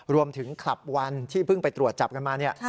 คลับวันที่เพิ่งไปตรวจจับกันมาเนี่ย